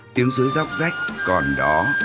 tiếng suối dốc rách còn đó